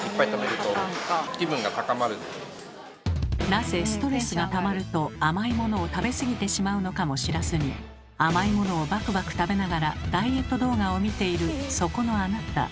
なぜストレスがたまると甘いものを食べ過ぎてしまうのかも知らずに甘いものをバクバク食べながらダイエット動画を見ているそこのあなた。